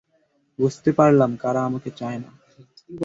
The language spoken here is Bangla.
বুঝতে পারলাম কারা আমাকে চায় না।